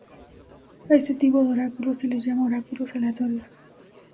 A este tipo de oráculos se les llama oráculos aleatorios.